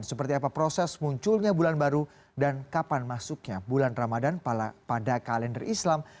seperti apa proses munculnya bulan baru dan kapan masuknya bulan ramadan pada kalender islam